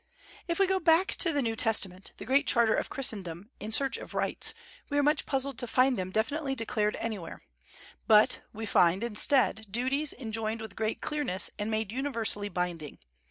If we go back to the New Testament, the great Charter of Christendom, in search of rights, we are much puzzled to find them definitely declared anywhere; but we find, instead, duties enjoined with great clearness and made universally binding.